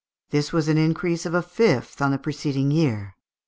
This was an increase of a fifth on the preceding year.